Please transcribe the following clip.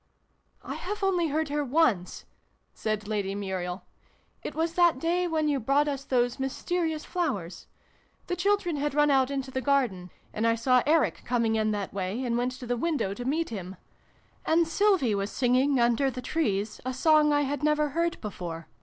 " I have only heard her once" said Lady Muriel. " It was that day when you brought us those mysterious flowers. The children had run out into the garden ; and I saw Eric coming in that way, and went to the window to meet him : and Sylvie was singing, under 304 SYLVIE AND BRUNO CONCLUDED. the trees, a song I had never heard before.